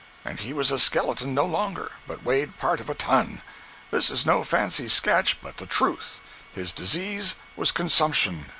And he was a skeleton no longer, but weighed part of a ton. This is no fancy sketch, but the truth. His disease was consumption.